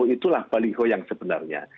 itulah baliho yang sebenarnya